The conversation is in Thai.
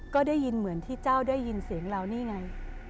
ก็ได้ยินเหมือนที่เจ้าได้ยินเสียงเรานี่ไง